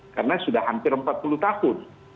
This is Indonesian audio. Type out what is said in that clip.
karena sudah hampir empat puluh tahun